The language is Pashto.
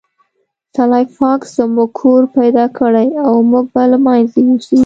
سلای فاکس زموږ کور پیدا کړی او موږ به له منځه یوسي